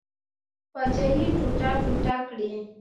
پاچهي ټوټه ټوټه کړي.